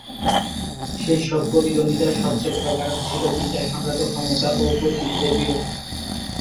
সেসব প্রতিদ্বন্দ্বিতার সবচেয়ে বড় কারণ ছিল বিচার সংক্রান্ত ক্ষমতা ও কর্তৃত্বের বিরোধ।